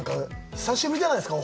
久しぶりじゃないですか？